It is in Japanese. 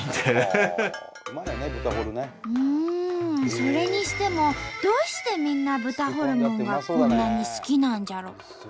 それにしてもどうしてみんな豚ホルモンがこんなに好きなんじゃろ？